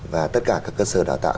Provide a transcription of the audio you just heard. và tất cả các cơ sở đào tạo